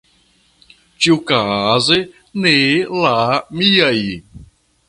Ĉiuokaze ne la miajn.